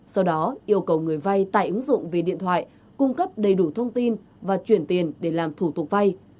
sau đó yêu cầu người vai tải ứng dụng về điện thoại cung cấp đầy đủ thông tin và chuyển tiền để làm thủ tục vai